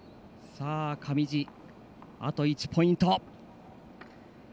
上地、あと１ポイント。